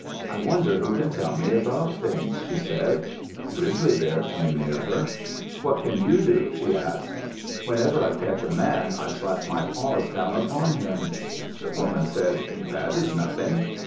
"I wonder who can tell me about things," she said. Grizzly Bear came near her. "What can you do?" she asked. "Whenever I catch a man, I slap my paws down upon him." The woman said, "That is nothing."